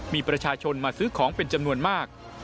มีประชาชนมาซื้อของเป็นจำนวนมาก